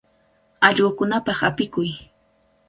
Allqukunapaq apikuy.